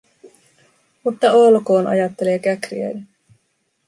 Mutta olkoon, ajattelee Käkriäinen.